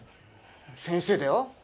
先生だよ。